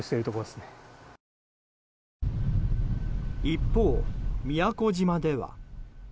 一方、宮古島では。